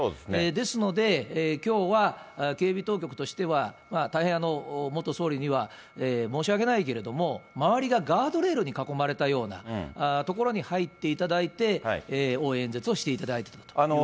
ですので、きょうは警備当局としては、大変、元総理には申し訳ないけれども、周りがガードレールに囲まれたような所に入っていただいて、応援演説をしていただいてというところですね。